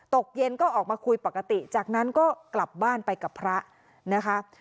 ตกเย็นก็ออกมาคุยปกติจากนั้นก็กลับบ้านไปกับพระนะคะ